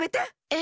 え？